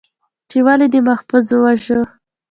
، چې ولې دې محفوظ وواژه؟